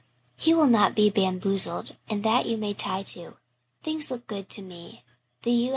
He will not be bamboozled and that you may tie to. Things look good to me. The U.